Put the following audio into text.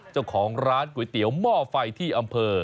เจ้าของร้านก๋วยเตี๋ยวหม้อไฟที่อำเภอ